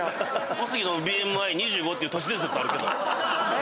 小杉のＢＭＩ２５っていう都市伝説あるけど。